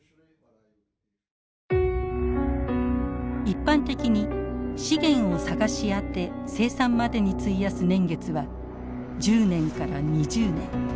一般的に資源を探し当て生産までに費やす年月は１０年から２０年。